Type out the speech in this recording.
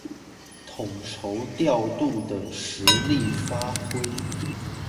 統籌調度的實力發揮